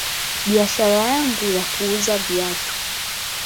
Biashara yangu ya kuuza viatu